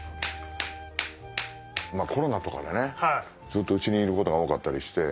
今コロナとかでずっとうちにいることが多かったりして。